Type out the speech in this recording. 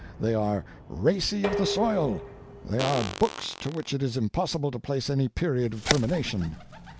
They are racy of the soil. They are books to which it is impossible to place any period of termination.